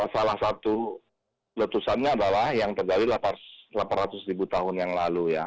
salah satu letusannya adalah yang terjadi delapan ratus ribu tahun yang lalu ya